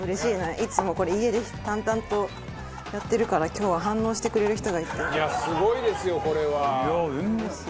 いつもこれ家で淡々とやってるから今日は反応してくれる人がいて。